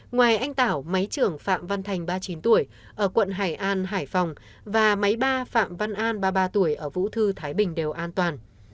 ngoài anh tảo máy trưởng phạm văn thành ba mươi chín tuổi ở quận hải an hải phòng và máy ba phạm văn an ba mươi ba tuổi ở vũ thư thái bình đều an toàn